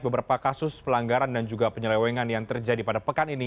beberapa kasus pelanggaran dan juga penyelewengan yang terjadi pada pekan ini